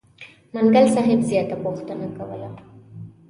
منګل صاحب زیاته پوښتنه کوله.